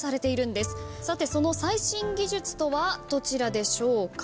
さてその最新技術とはどちらでしょうか？